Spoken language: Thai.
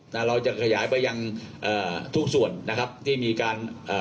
นะเราจะขยายไปยังเอ่อทุกส่วนนะครับที่มีการเอ่อ